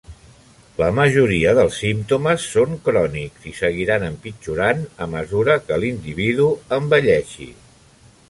La majoria dels símptomes són crònics i seguiran empitjorant a mesura que l'individu envelleixi.